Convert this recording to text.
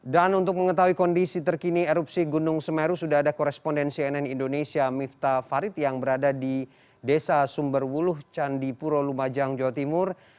dan untuk mengetahui kondisi terkini erupsi gunung semeru sudah ada korespondensi nn indonesia mifta farid yang berada di desa sumberwuluh candipuro lumajang jawa timur